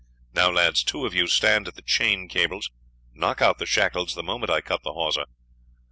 Now, lads, two of you stand at the chain cables; knock out the shackles the moment I cut the hawser.